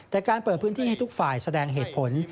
แต่การเปิดพื้นที่ให้ทุกฝ่ายแสดงเหตุผล